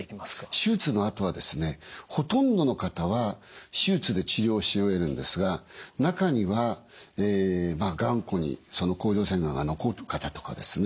手術のあとはですねほとんどの方は手術で治療し終えるんですが中には頑固にその甲状腺がんが残る方とかですね